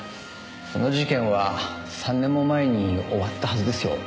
その事件は３年も前に終わったはずですよ。